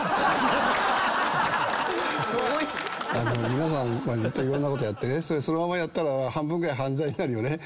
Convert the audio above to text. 皆さんいろんなことそのままやったら半分ぐらい犯罪になるよね。